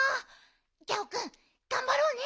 ギャオくんがんばろうね！